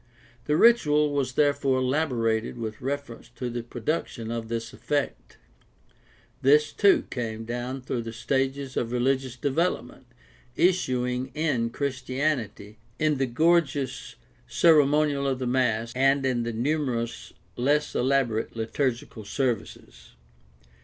The ritual was therefore elaborated with refer ence to the production of this effect. This, too, came down through the stages of religious development, issuing in Chris tianity in the gorgeous ceremonial of the iriass and in the numerous less elaborate liturgical services.